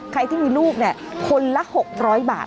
ใครที่มีลูกคนละ๖๐๐บาท